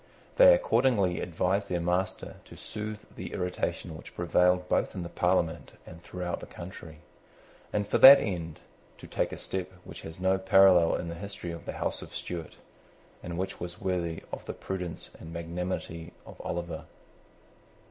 They accordingly advised their master to soothe the irritation which prevailed both in the Parliament and throughout the country, and for that end, to take a step which has no parallel in the history of the House of Stuart, and which was worthy of the prudence and magnanimity of Oliver.